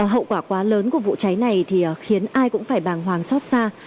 hậu quả quá lớn của vụ trái này khiến ai cũng phải bàng hoàng xót xa